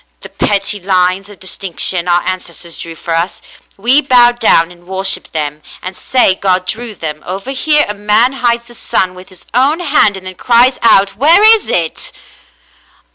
The petty lines of distinction our ancestors drew for us, — we bow down and worship them, and say God drew them. Over here a man hides the sun with his own hand and then cries out, 'Where is it.